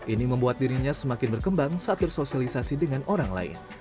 ini membuat dirinya semakin berkembang saat bersosialisasi dengan orang lain